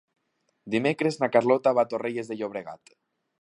Dimecres na Carlota va a Torrelles de Llobregat.